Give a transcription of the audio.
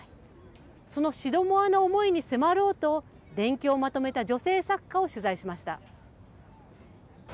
そのシドモアの思いに迫ろうと、伝記をまとめた女性作家を取材しました。